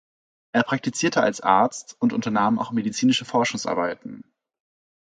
Er praktizierte als Arzt und unternahm auch medizinische Forschungsarbeiten.